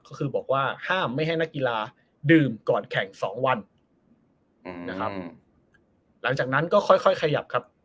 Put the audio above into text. ก็คือบอกว่าห้ามไม่ให้นักกีฬาดื่มก่อนแข่งสองวันนะครับหลังจากนั้นก็ค่อยค่อยขยับครับ